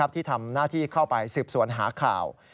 ที่ทำหน้าที่เข้าไปสืบสวนหาข่าว